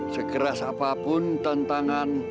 sekeras apapun tentangan